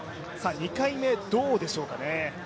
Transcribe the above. ２回目どうでしょうかね？